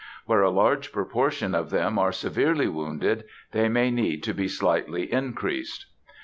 Where a large proportion of them are severely wounded, they may need to be slightly increased.